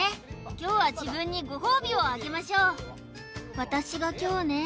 今日は自分にご褒美をあげましょう私が凶ね